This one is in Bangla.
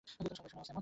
সবাই শোনো, ও স্যামন।